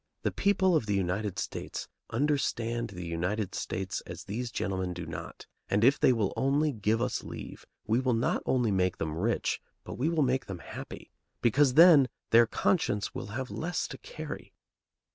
The people of the United States understand the United States as these gentlemen do not, and if they will only give us leave, we will not only make them rich, but we will make them happy. Because, then, their conscience will have less to carry.